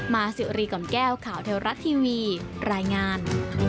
มาสิวรีกล่อมแก้วข่าวเทวรัฐทีวีรายงาน